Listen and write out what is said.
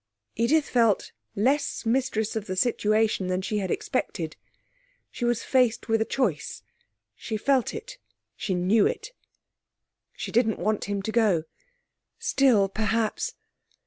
Edith felt less mistress of the situation than she had expected. She was faced with a choice; she felt it; she knew it. She didn't want him to go. Still, perhaps....